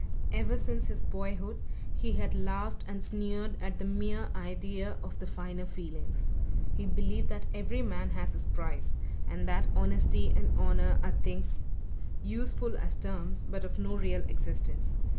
Ever since his boyhood he had laughed and sneered at the mere idea of the finer feelings he believed that every man has his price and that honesty and honour are things useful as terms but of no real existence.